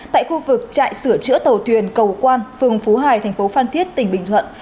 tại khu vực trại sửa chữa tàu thuyền cầu quan phường phú hải thành phố phan thiết tỉnh bình thuận